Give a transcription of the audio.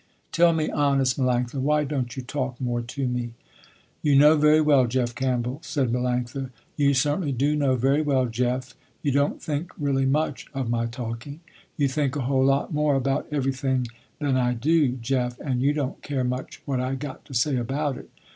Tell me honest Melanctha, why don't you talk more to me." "You know very well Jeff Campbell," said Melanctha "You certainly do know very well Jeff, you don't think really much, of my talking. You think a whole lot more about everything than I do Jeff, and you don't care much what I got to say about it.